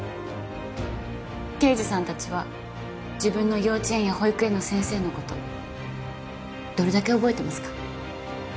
刑事さんたちは自分の幼稚園や保育園の先生の事どれだけ覚えてますか？